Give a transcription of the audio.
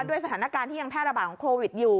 ด้วยสถานการณ์ที่ยังแพร่ระบาดของโควิดอยู่